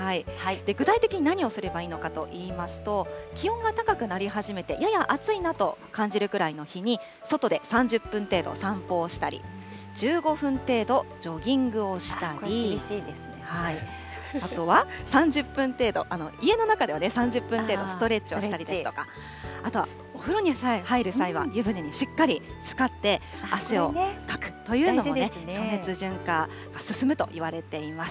具体的に何をすればいいのかといいますと、気温が高くなり始めて、やや暑いなと感じるくらいの日に、外で３０分程度散歩をしたり、１５分程度、ジョギングをしたり、あとは３０分程度、家の中では３０分程度、ストレッチをしたりですとか、あとはお風呂に入る際は湯船にしっかりつかって、汗をかくというのもね、暑熱順化が進むといわれています。